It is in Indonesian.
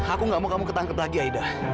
aku gak mau kamu ketangkep lagi aida